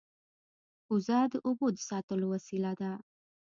کوزه د اوبو د ساتلو وسیله ده